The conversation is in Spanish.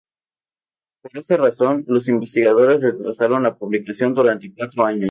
Por esta razón, los investigadores retrasaron la publicación durante cuatro años.